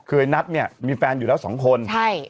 คือไอ้นัทเนี่ยมีแฟนอยู่แล้วสองคนใช่